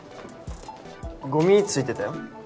ゴミ付いてたよ。